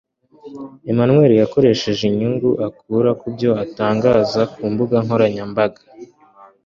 Emmanuel yakoresheje inyungu akura ku byo atangaza ku mbuga nkoranyambaga